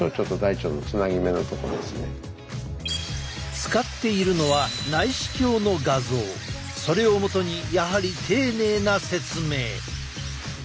使っているのはそれを基にやはり丁寧な説明。